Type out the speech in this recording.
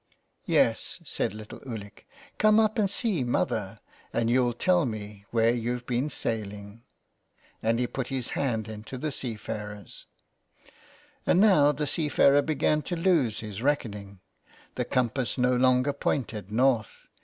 " Yes," said little Ulick, " come up and see mother, and you'll tell me where you've been sailing," and he put his hand into the seafarer's. 294 so ON HE FARES. And now the seafarer began to lose his reckoning ; the compass no longer pointed north.